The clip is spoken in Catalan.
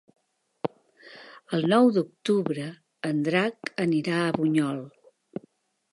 El nou d'octubre en Drac anirà a Bunyol.